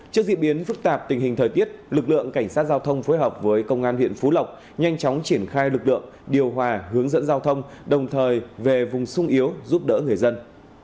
trước diễn biến phức tạp tình hình thời tiết lực lượng cảnh sát giao thông phối hợp với công an huyện phú lộc nhanh chóng triển khai lực lượng điều hòa hướng dẫn giao thông đồng thời về vùng sung yếu giúp đỡ người dân